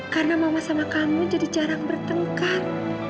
karena mama sama kamu jadi jarang bertengkar